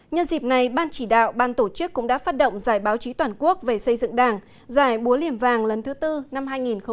nhân dịp này ban chỉ đạo ban tổ chức cũng đã phát động giải báo chí toàn quốc về xây dựng đảng giải búa liềm vàng lần thứ tư năm hai nghìn hai mươi